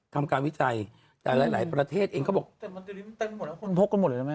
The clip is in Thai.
แต่มันทีนี้มันเต็มไปหมดแล้วคนพกก็หมดเลยนะแม่